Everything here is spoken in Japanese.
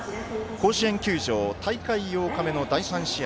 甲子園球場大会８日目の第３試合。